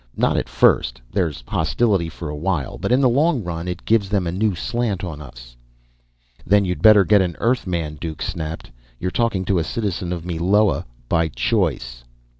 Not at first there's hostility for a while but in the long run it gives them a new slant on us." "Then you'd better get an Earthman," Duke snapped. "You're talking to a citizen of Meloa! By choice!"